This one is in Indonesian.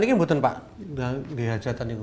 dari sobat patunia